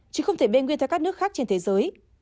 chứ không thể bê nguyên theo các nước khác trên thế giới